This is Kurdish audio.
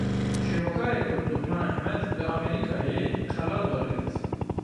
Şêwekarê Kurd Luqman Ehmed li Amerîkayê xelat wergirt.